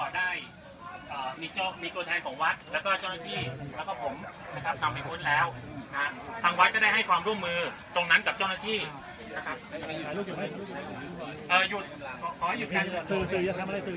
ในคุณภิกษ์สองพันไรก็ได้เอ่อมีโจทย์แทนของวัดแล้วก็เจ้าหน้าที่